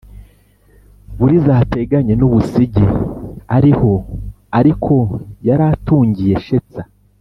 buriza hateganye n'u busigi ari ho, ariko yari atungiye shetsa